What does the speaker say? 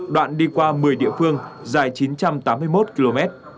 đoạn đi qua một mươi địa phương dài chín trăm tám mươi một km